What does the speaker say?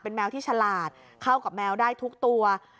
แมวที่ฉลาดเข้ากับแมวได้ทุกตัว